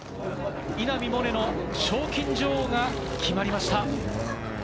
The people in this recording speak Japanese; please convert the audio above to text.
稲見萌寧の賞金女王が決まりました。